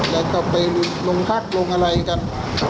แล้วก็ไปโรงพักลงอะไรกัน